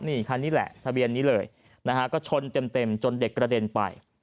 นี่คันนี้แหละทะเบียนนี้เลยนะฮะก็ชนเต็มจนเด็กกระเด็นไป